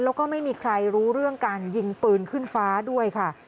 แล้วก็ไม่มีใครรู้เรื่องการยิงปืนขึ้นฟ้าด้วยค่ะ